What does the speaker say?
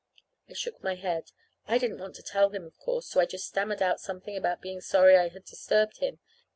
I shook my head. I didn't want to tell him, of course; so I just stammered out something about being sorry I had disturbed him.